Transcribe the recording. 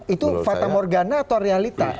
itu fata morgana atau realita